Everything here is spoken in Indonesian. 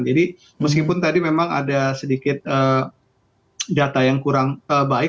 jadi meskipun tadi memang ada sedikit data yang kurang baik